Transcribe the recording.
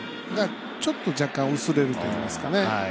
ちょっと若干薄れるといいますか。